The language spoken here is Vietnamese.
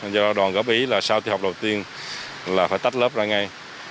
do đó đoàn góp ý là sau thi học đầu tiên là phải tách lớp ra ngay